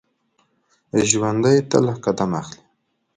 ژوندي تل قدم اخلي